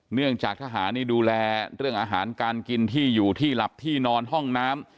เนื่องจากทหารนี่ดูแลเรื่องอาหารการกินที่อยู่ที่หลับที่นอนห้องน้ำ